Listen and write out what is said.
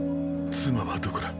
妻はどこだ。